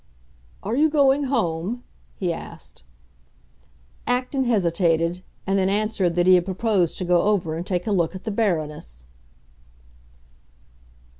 "Are you going home?" he asked. Acton hesitated, and then answered that he had proposed to go over and take a look at the Baroness.